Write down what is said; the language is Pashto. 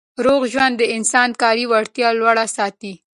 روغ ژوند د انسان کاري وړتیا لوړه ساتي.